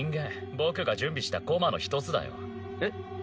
僕が準備したコマの一つだよえっ？